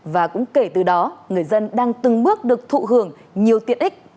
và cũng kể từ đó người dân đang từng bước được thụ hưởng nhiều tiện ích từ định danh điện tử